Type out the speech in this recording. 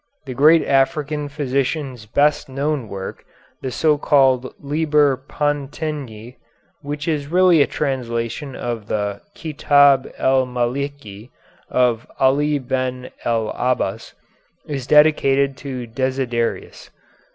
The great African physician's best known work, the so called "Liber Pantegni," which is really a translation of the "Khitaab el Maleki" of Ali Ben el Abbas, is dedicated to Desiderius.